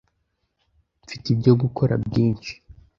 mfite ibyo gukora byinshi